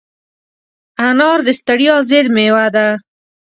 انار د ستړیا ضد مېوه ده.